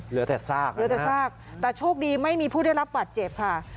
เหลือแต่ซากแต่โชคดีไม่มีผู้ได้รับบัตรเจ็บค่ะ